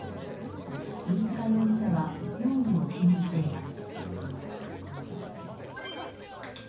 飯塚容疑者は容疑を否認しています。